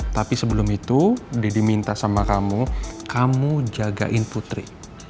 tapi sebelum itu dedy minta sama kamu kamu jagain putri